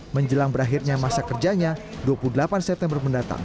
menjelang berakhirnya masa kerjanya dua puluh delapan september mendatang